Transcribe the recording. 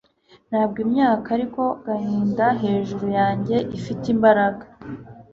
Ntabwo imyaka ariko agahinda hejuru yanjye ifite imbaraga